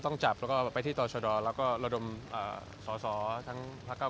ต้องจับแล้วก็ไปที่ต่อชะดอแล้วก็ระดมสอสอทั้งพระเก้า